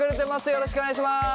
よろしくお願いします。